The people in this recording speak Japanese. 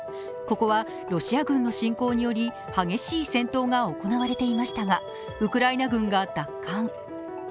ここはロシア軍の侵攻により激しい戦闘が行われていましたがウクライナ軍が奪還。